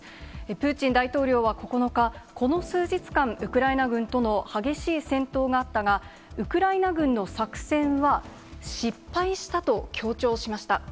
プーチン大統領は９日、この数日間、ウクライナ軍との激しい戦闘があったが、ウクライナ軍の作戦は失敗したと強調しました。